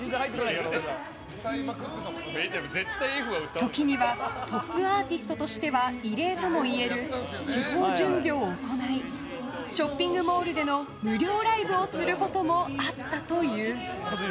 時にはトップアーティストとしては異例ともいえる地方巡業を行いショッピングモールでの無料ライブをすることもあったという。